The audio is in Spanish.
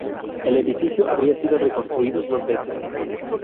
El edificio habría sido reconstruidos dos veces.